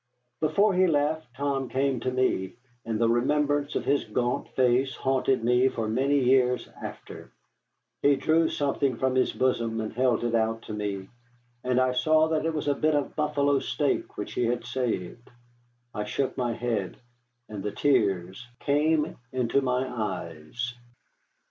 Before he left Tom came to me, and the remembrance of his gaunt face haunted me for many years after. He drew something from his bosom and held it out to me, and I saw that it was a bit of buffalo steak which he had saved. I shook my head, and the tears came into my eyes.